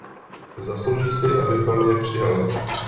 Zaslouží si, abychom je přijali.